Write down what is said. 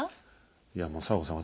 いやもう佐和子さん